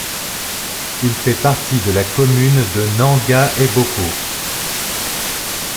Il fait partie de la commune de Nanga-Eboko.